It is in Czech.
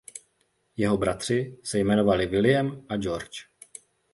Jeho bratři se jmenovali William a George.